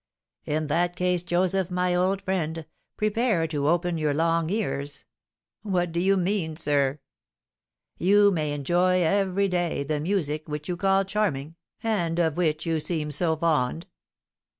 "In that case, Joseph, my old friend, prepare to open your long ears." "What do you mean, sir?" "You may enjoy every day the music which you call charming, and of which you seem so fond."